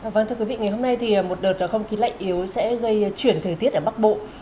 vâng thưa quý vị ngày hôm nay thì một đợt không khí lạnh yếu sẽ gây chuyển thời tiết ở bắc bộ